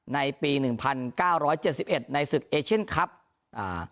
ในปีหนึ่งพันเก้าร้อยเจ็ดสิบเอ็ดในศึกเอเชียนครับอ่า